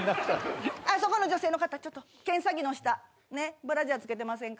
そこの女性の方ちょっと検査着の下ねっブラジャーつけてませんか？